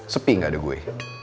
sepi gak ada gue